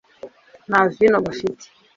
“Nta vino bafite